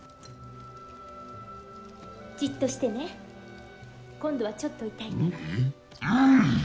じっとしてね、今度はちょっと痛いから。